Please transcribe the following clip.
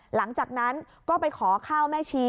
หลังจากนั้นก็ไปขอข้าวแม่ชี